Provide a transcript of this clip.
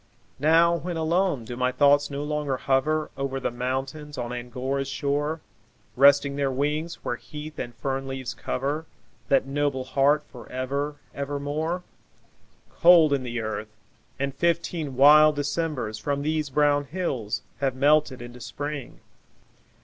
Now, when alone, do my thoughts no longer hover Over the mountains on Angora's shore, Resting their wings, where heath and fern leaves cover That noble heart for ever, ever more? Cold in the earth, and fifteen wild Decembers From these brown hills have melted into Spring.